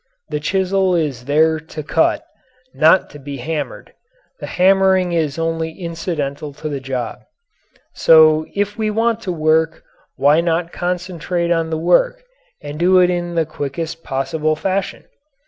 The chisel is there to cut, not to be hammered. The hammering is only incidental to the job. So if we want to work why not concentrate on the work and do it in the quickest possible fashion?